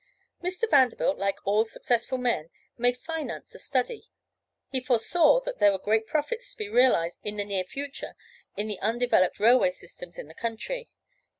Mr. Vanderbilt, like all successful men, made finance a study; he foresaw that there were great profits to be realized in the near future in the undeveloped railway systems in the country.